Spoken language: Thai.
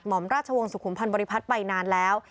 มราชวงศ์สุขุมพันธ์บริพัฒน์ไปนานแล้ว